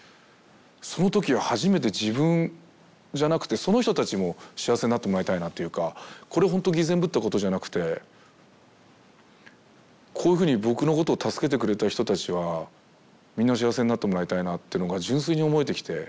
そのとき初めて自分じゃなくてその人たちも幸せになってもらいたいなというかこれほんと偽善ぶったことじゃなくてこういうふうに僕のことを助けてくれた人たちはみんな幸せになってもらいたいなってのが純粋に思えてきて。